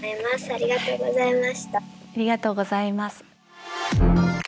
ありがとうございます。